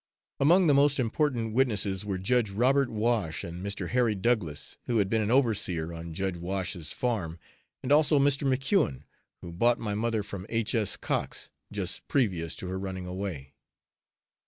Among the most important witnesses were Judge Robert Wash and Mr. Harry Douglas, who had been an overseer on Judge Wash's farm, and also Mr. MacKeon, who bought my mother from H. S. Cox, just previous to her running away.